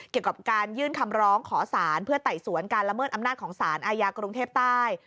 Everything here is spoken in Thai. เกี่ยวกับการยื่นคำร้องขอสารเพื่อไต่สวนการละเมิดอำนาจของสารอาญากรุงเทพใต้